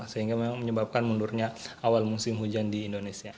sehingga memang menyebabkan mundurnya awal musim hujan di indonesia